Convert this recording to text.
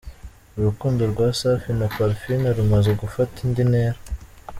Urukundo rwa Safi na Parfine rumaze gufata indi ntera